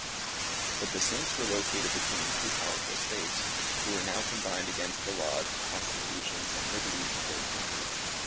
But the Saints were located between two powerful States, who were now combined against the laws, constitutions and liberties of their country.